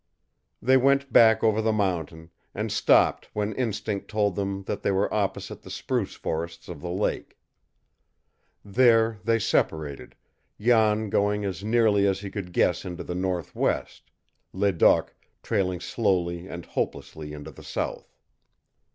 They went back over the mountain, and stopped when instinct told them that they were opposite the spruce forests of the lake. There they separated, Jan going as nearly as he could guess into the northwest, Ledoq trailing slowly and hopelessly into the south.